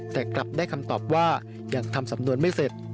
แต่กลับได้คำตอบว่ายังทำสำนวนไม่เสร็จ